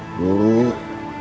kepian sama ketakutan